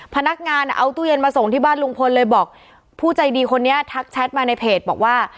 พนักงานเอาตู้เย็นมาส่งที่บ้านลุงพลเลยบอกผู้ใจดีคนนี้ทักแชทมาในเพจบอกว่า